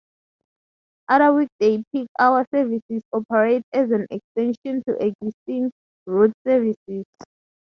Other weekday peak hour services operate as an extension to existing route services.